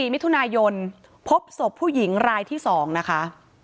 มิถุนายนพบศพผู้หญิงรายที่๒นะคะ